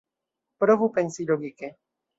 Provu pensi logike.